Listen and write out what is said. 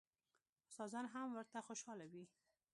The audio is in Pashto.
استادان هم ورته خوشاله وي.